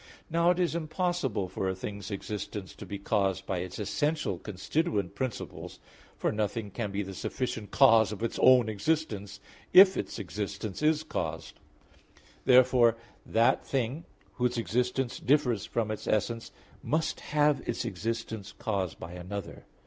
Now it is impossible for a thing's existence to be caused by its essential constituent principles, for nothing can be the sufficient cause of its own existence, if its existence is caused. Therefore that thing, whose existence differs from its essence, must have its existence caused by another.